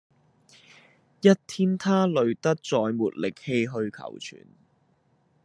一天他累得再沒力氣去求存